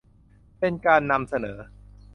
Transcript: เป็นการนำเสนอ